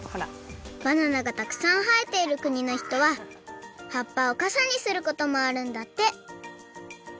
バナナがたくさんはえているくにのひとははっぱをかさにすることもあるんだって！